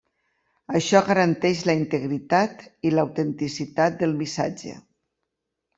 Això garanteix la integritat i l’autenticitat del missatge.